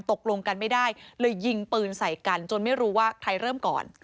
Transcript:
ตกลงกันไม่ได้เลยยิงปืนใส่กันจนไม่รู้ว่าใครเริ่มก่อน